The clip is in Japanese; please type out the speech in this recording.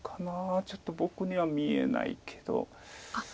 ちょっと僕には見えないけど。